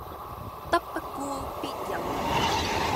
德不孤必有鄰